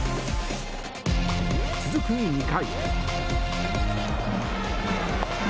続く２回。